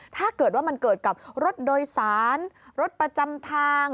ถ้าเกิดว่ามันเกิดกับรถโดยสารรถประจำทาง